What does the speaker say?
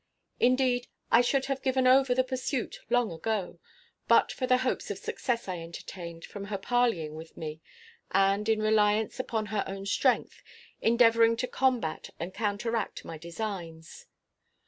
Indeed, I should have given over the pursuit long ago, but for the hopes of success I entertained from her parleying with me, and, in reliance upon her own strength, endeavoring to combat and counteract my designs.